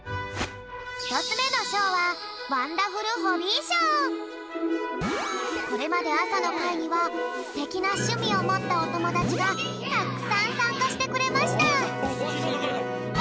ひとつめのしょうはこれまであさのかいにはステキなしゅみをもったおともだちがたくさんさんかしてくれました。